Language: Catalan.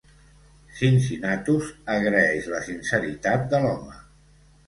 Cincinnatus agraeix la sinceritat de l'home.